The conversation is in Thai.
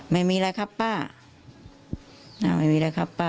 ไม่มีอะไรครับป้าไม่มีอะไรครับป้า